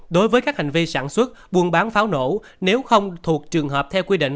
đối với các hành vi sản xuất buôn bán pháo nổ nếu không thuộc trường hợp theo quy định